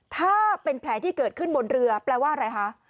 ถ้าเป็นแผลที่เกิดขึ้นบนเรือแปลว่าอะไรคะ